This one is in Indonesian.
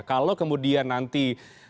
kalau kemudian nanti